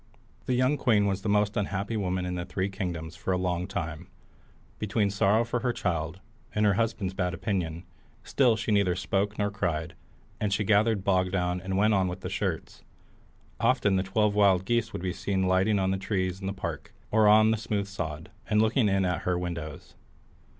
The young queen was the most unhappy woman in the three kingdoms for a long time, between sorrow for her child, and her husband's bad opinion; still she neither spoke nor cried, and she gathered bog down and went on with the shirts. Often the twelve wild geese would be seen lighting on the trees in the park or on the smooth sod, and looking in at her windows.